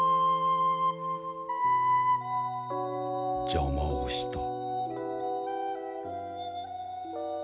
邪魔をした。